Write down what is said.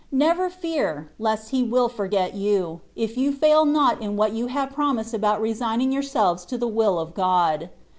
Never fear, lest He will forget you, if you fail not in what you have promised about resigning yourselves to the will of God.